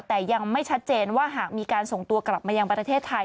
แต่ยังไม่ชัดเจนว่าหากมีการส่งตัวกลับมายังประเทศไทย